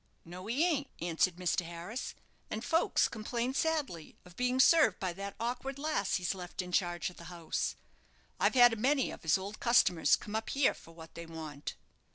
"No, he ain't," answered Mr. Harris; "and folks complain sadly of being served by that awkward lass he's left in charge of the house. I've had a many of his old customers come up here for what they want."